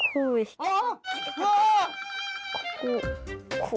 あっ！